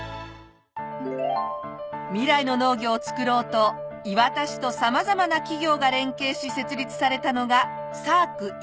未来の農業を作ろうと磐田市と様々な企業が連携し設立されたのがＳＡＣ磐田です。